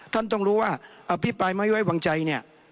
ท่านต้องรู้ว่าอภิปรายไม่ไว้วางใจเนี่ย